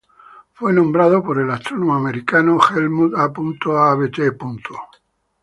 Fue nombrado por el astrónomo americano Helmut A. Abt.